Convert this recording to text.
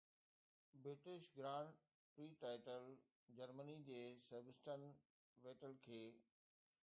British grand prix title Germany جي Sebastian Vettel کي